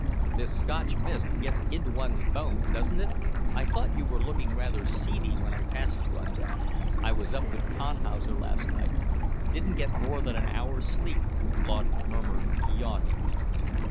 "This Scotch mist gets into one's bones, doesn't it? I thought you were looking rather seedy when I passed you on deck." "I was up with Tannhauser last night. Didn't get more than an hour's sleep," Claude murmured, yawning.